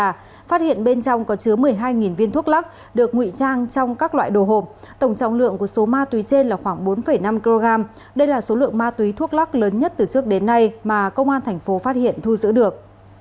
phát hiện bên trong có chứa một mươi hai viên thuốc lắc được nguy trang trong các loại đồ hộp tổng trọng lượng của số ma túy trên là khoảng bốn năm kg đây là số lượng ma túy thuốc lắc lớn nhất từ trước đến nay mà công an thành phố phát hiện thu giữ được